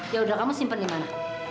yaudah kamu simpen dimana